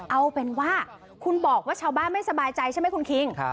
เอาเป็นว่าคุณบอกว่าชาวบ้านไม่สบายใจใช่ไหมคุณคิง